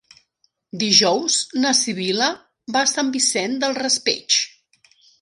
Dijous na Sibil·la va a Sant Vicent del Raspeig.